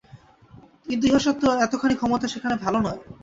কিন্তু ইহা সত্ত্বেও এতখানি ক্ষমতা সেখানে ভাল নয়।